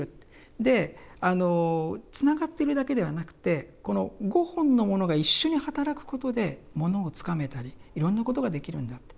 でつながってるだけではなくてこの５本のものが一緒に働くことで物をつかめたりいろんなことができるんだって。